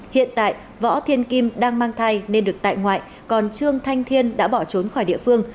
hiện tại võ thiên kim đang mang thai nên được tại ngoại còn trương thanh thiên đã bỏ trốn khỏi địa phương